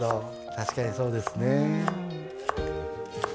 確かにそうですね。